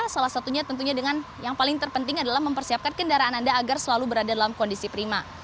salah satunya tentunya dengan yang paling terpenting adalah mempersiapkan kendaraan anda agar selalu berada dalam kondisi prima